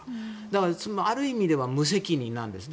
だから、ある意味では無責任なんです。